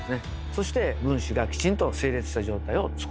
そして分子がきちんと整列した状態をつくると。